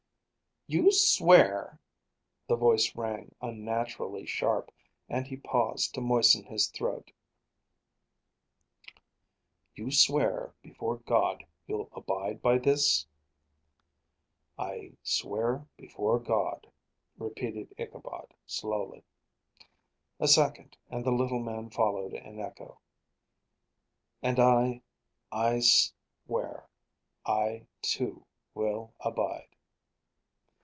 "You swear " his voice rang unnaturally sharp, and he paused to moisten his throat, "you swear before God you'll abide by this?" "I swear before God," repeated Ichabod slowly. A second, and the little man followed in echo. "And I I swear, I, too, will abide."